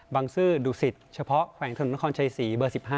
บางสื่อดุสิทธิ์เฉพาะแขวงธนตรงนครชายศรี๑๕